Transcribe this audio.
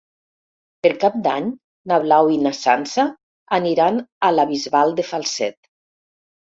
Per Cap d'Any na Blau i na Sança aniran a la Bisbal de Falset.